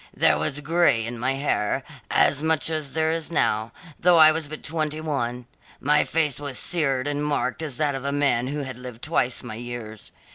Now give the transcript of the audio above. There was grey in my hair, as much as there is now, though I was but twenty one; my face was seared and marked as that of a man who had lived twice my years.